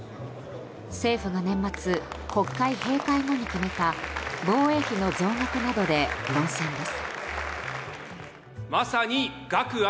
政府が年末、国会閉会後に決めた防衛費の増額などで論戦です。